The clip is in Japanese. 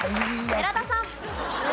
寺田さん。